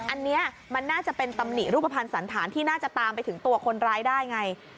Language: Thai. อันนี้มันน่าจะเป็นตำหนิรูปภัณฑ์สันธารที่น่าจะตามไปถึงตัวคนร้ายได้ไง